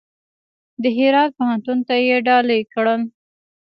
د هرات پوهنتون ته یې ډالۍ کړل.